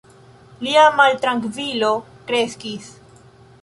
Lia maltrankvilo kreskis.